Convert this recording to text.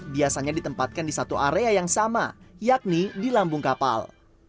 biasanya ditempatkan di satu area yang sama yakni di lambung kapal